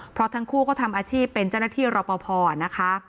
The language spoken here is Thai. เพราะทั้งคู่ก็ทำอาชีพเป็นเจ้าหน้าที่รอปภนะคะ